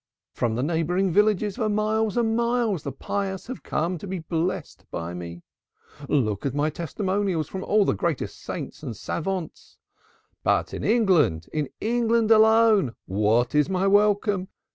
From the neighboring villages for miles and miles the pious have come to be blessed by me. Look at my testimonials from all the greatest saints and savants. But in England in England alone what is my welcome?